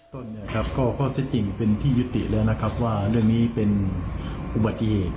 ต้นเนี่ยครับก็ข้อเท็จจริงเป็นที่ยุติแล้วนะครับว่าเรื่องนี้เป็นอุบัติเหตุ